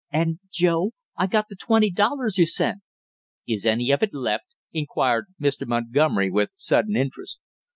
"And, Joe, I got the twenty dollars you sent!" "Is any of it left?" inquired Mr. Montgomery, with sudden interest.